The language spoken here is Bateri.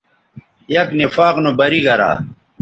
یک نفاق نو بری گرا